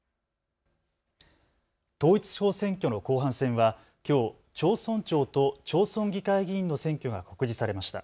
統一地方選挙の後半戦はきょう町村長と町村議会議員の選挙が告示されました。